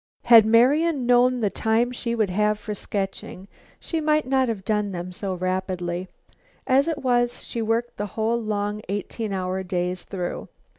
Had Marian known the time she would have for sketching, she might not have done them so rapidly. As it was, she worked the whole long eighteen hour days through.